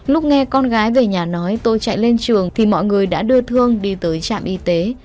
lúc nghe con gái về nhà nói tôi chạy lên trường thì mọi người đã đưa thương đi tới trạm y tế